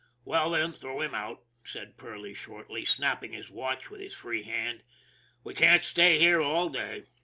Well, then, throw him out," said Perley shortly, snapping his watch with his free hand. " We can't stay here all day."